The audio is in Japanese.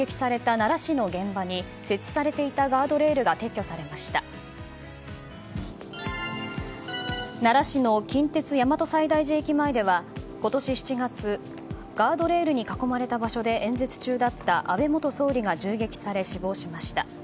奈良市の近鉄大和西大寺駅前では今年７月ガードレールに囲まれた場所で演説中だった安倍元総理が銃撃され死亡しました。